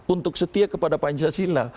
untuk setia kepada pancasila